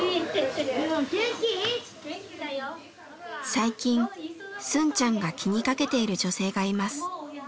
最近スンちゃんが気に掛けている女性がいます。